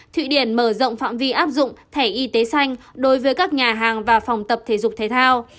thụy điển mở rộng phạm vi áp dụng thẻ y tế xanh đối với các nhà hàng và phòng tập thể dục thể thao